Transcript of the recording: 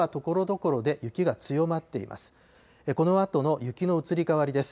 このあとの雪の移り変わりです。